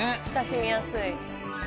親しみやすい。